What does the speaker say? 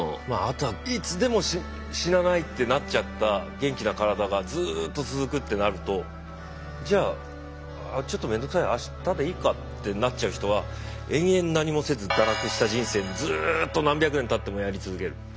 まああとはいつでも死なないってなっちゃった元気な体がずっと続くってなるとじゃあちょっと面倒くさいあしたでいいかってなっちゃう人は延々何もせず堕落した人生にずっと何百年たってもやり続ける。